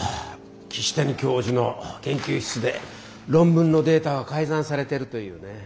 岸谷教授の研究室で論文のデータが改ざんされているというね。